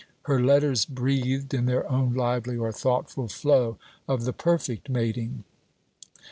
Her letters breathed, in their own lively or thoughtful flow, of the perfect mating.